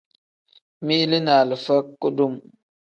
Mili ni alifa ni kudum.